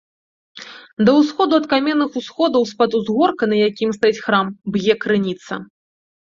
Да ўсходу ад каменных усходаў з-пад узгорка, на якім стаіць храм, б'е крыніца.